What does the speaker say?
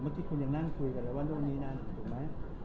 เมื่อกี้คุณยังนั่งคุยกันเลยว่าเรื่องนี้นะถูกไหม